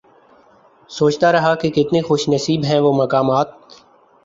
سوچتا رہا کہ کتنے خوش نصیب ہیں وہ مقامات